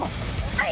はい！